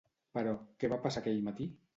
Però què va passar aquell matí?